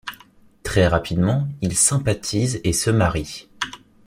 Très rapidement, ils sympathisent et se marient.